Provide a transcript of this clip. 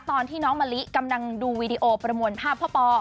ตอนที่น้องมะลิกำลังดูวีดีโอประมวลภาพพ่อปอ